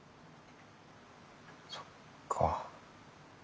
そっか。